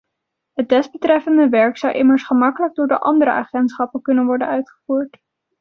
Het desbetreffende werk zou immers gemakkelijk door de andere agentschappen kunnen worden uitgevoerd.